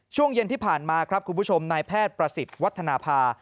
ช่วงเย็นที่ผ่านมาครับคุณผู้ชมนายแพทย์ประสิทธิ์วัฒนภา